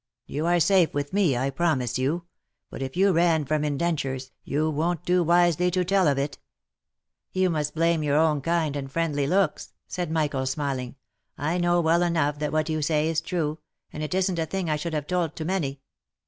You are safe with me, I promise you ; but if you ran from indentures, you won't do wisely to tell of it." '" You must blame your own kind and friendly looks," said Michael, smiling ;" I know well enough that what you say is true, and it isn't a thing I should have told to many.